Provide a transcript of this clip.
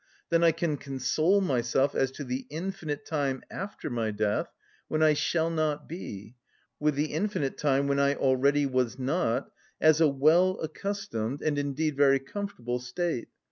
Then I can console myself as to the infinite time after my death, when I shall not be, with the infinite time when I already was not, as a well‐accustomed, and indeed very comfortable, state.